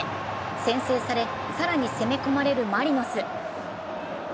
先制され更に攻め込まれるマリノス。